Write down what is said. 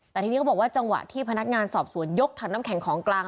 แต่ทีนี้เขาบอกว่าจังหวะที่พนักงานสอบสวนยกถังน้ำแข็งของกลาง